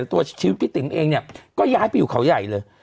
ตัวชีวิตพี่ติ๋มเองเนี่ยก็ย้ายไปอยู่เขาใหญ่เลย